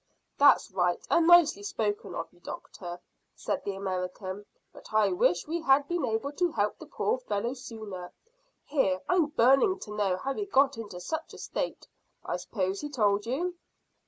"That's right, and nicely spoken of you, doctor," said the American; "but I wish we had been able to help the poor fellow sooner. Here, I'm burning to know how he got into such a state. I s'pose he told you?"